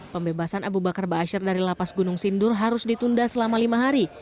pembebasan abu bakar ba'asyir dari lapas gunung sindur harus ditunda selama lima hari